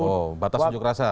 oh batas sujuk rasa